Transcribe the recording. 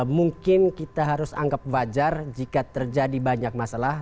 mungkin kita harus anggap wajar jika terjadi banyak masalah